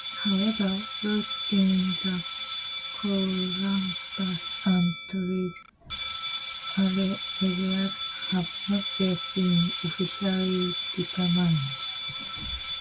However, routes in the Columbus and Toledo areas have not yet been officially determined.